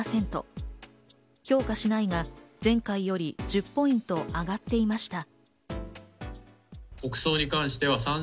評価しないが前回より１０ポイント上がっていました。